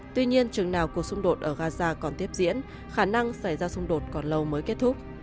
tuy nhiên chừng nào cuộc xung đột ở gaza còn tiếp diễn khả năng xảy ra xung đột còn lâu mới kết thúc